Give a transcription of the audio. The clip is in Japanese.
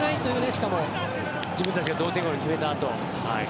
しかも、自分たちが同点ゴールを決めたあとに。